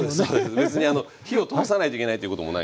別に火を通さないといけないっていうこともないんです。